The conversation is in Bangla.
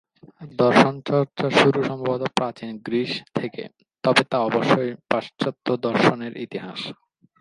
দর্শন চর্চার শুরু সম্ভবত প্রাচীন গ্রিস থেকে; তবে তা অবশ্যই পাশ্চাত্য দর্শনের ইতিহাস।